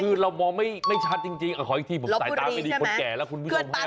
คือเรามองไม่ชัดจริงขออีกทีผมสายตาไม่ดีคนแก่แล้วคุณผู้ชมฮะ